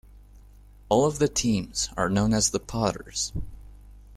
All of the teams are known as the Potters.